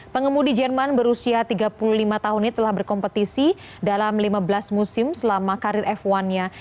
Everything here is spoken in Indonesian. pengemudi jerman berusia tiga puluh lima tahun ini telah berkompetisi dalam lima belas musim selama karir f satu nya